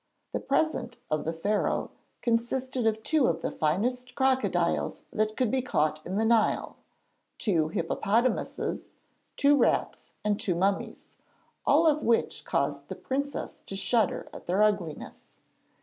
The present of the Pharaoh consisted of two of the finest crocodiles that could be caught in the Nile, two hippopotamuses, two rats, and two mummies, all of which caused the princess to shudder at their ugliness.